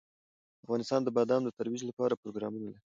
افغانستان د بادام د ترویج لپاره پروګرامونه لري.